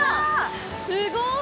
すごい！